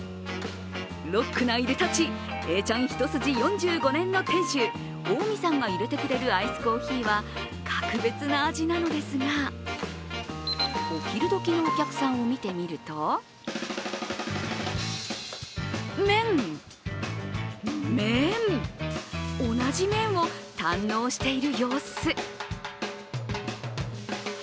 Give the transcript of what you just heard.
ロックないでたち、永ちゃん一筋４５年の店主、大見さんがいれてくれるアイスコーヒーは格別な味なんですがお昼どきのお客さんを見てみると麺、麺、同じ麺を堪能している様子。